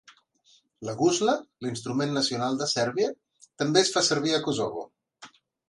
La gusla, l'instrument nacional de Sèrbia, també es fa servir a Kosovo.